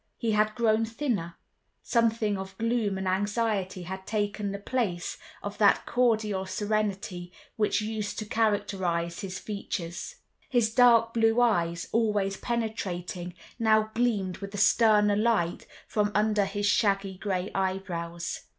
He had grown thinner; something of gloom and anxiety had taken the place of that cordial serenity which used to characterize his features. His dark blue eyes, always penetrating, now gleamed with a sterner light from under his shaggy grey eyebrows.